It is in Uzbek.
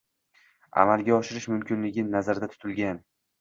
amalga oshirish mumkinligi nazarda tutilgan.